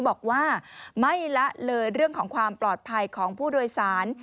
บอกว่าไม่ละเลยเรื่องของความปลอดภัยของผู้โดยสาร